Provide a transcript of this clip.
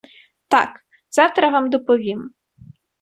Так, завтра вам доповім!